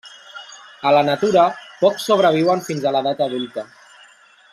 A la natura, pocs sobreviuen fins a l'edat adulta.